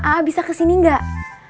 aa bisa kesini gak